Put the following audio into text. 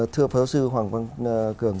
thưa pháo sư hoàng quang cường